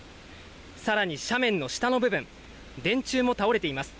さらに斜面の下の部分、電柱も倒れています。